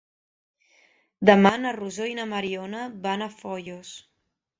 Demà na Rosó i na Mariona van a Foios.